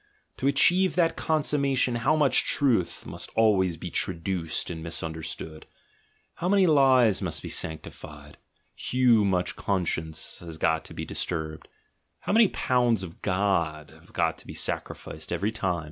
To achieve that consumma tion how much truth must always be traduced and mis understood, how many lies must be sanctified, hew much conscience has got to be disturbed, how many pounds of "God" have got to be sacrificed every time?